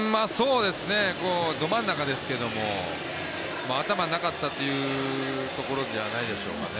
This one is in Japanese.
ど真ん中ですけど、頭になかったというところじゃないでしょうかね。